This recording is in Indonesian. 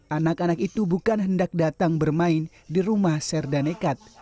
anak anak itu bukan hendak datang bermain di rumah serda nekat